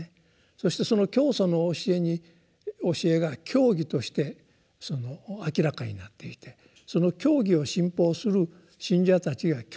そしてその教祖の教えが教義として明らかになっていてその教義を信奉する信者たちが教団というものをつくると。